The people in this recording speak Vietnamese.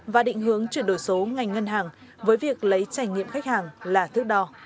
và định hướng chuyển đổi số ngành ngân hàng với việc lấy trải nghiệm khách hàng là thước đo